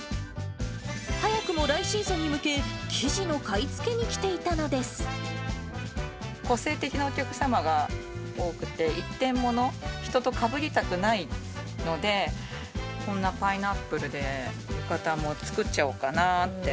早くも来シーズンに向け、個性的なお客様が多くて、一点物、人とかぶりたくないので、こんなパイナップルで浴衣も作っちゃおうかなって。